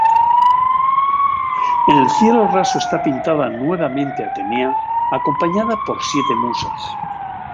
En el cielorraso está pintada nuevamente Atenea acompañada por siete musas.